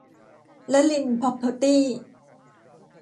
ลลิล พร็อพเพอร์ตี้